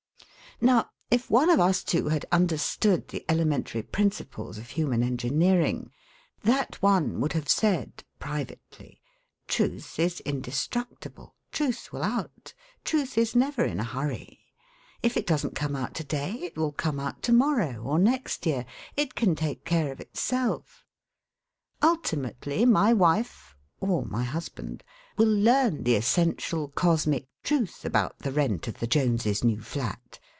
Now, if one of us two had understood the elementary principles of human engineering, that one would have said (privately): 'Truth is indestructible. Truth will out. Truth is never in a hurry. If it doesn't come out to day it will come out to morrow or next year. It can take care of itself. Ultimately my wife (or my husband) will learn the essential cosmic truth about the rent of the Joneses' new flat.